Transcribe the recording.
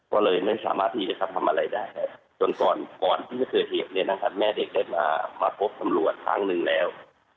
ก็เลยไม่สามารถที่จะทำอะไรได้จนก่อนที่จะเกิดเหตุเนี่ยนะครับแม่เด็กได้มาพบตำรวจครั้งหนึ่งแล้ว